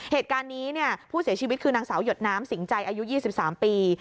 เหตุการณ์นี้ผู้เสียชีวิตคือนางสาวหยดน้ำสิงใจอายุ๒๓ปี